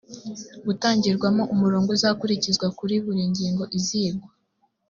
gutangirwamo umurongo uzakurikizwa kuri buri ngingo izigwa